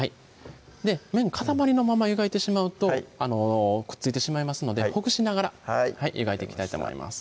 麺塊のまま湯がいてしまうとくっついてしまいますのでほぐしながら湯がいていきたいと思います